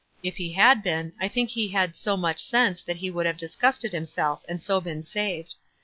If he had been, I think he had so much sense that he would have dis gusted himself, and so been saved.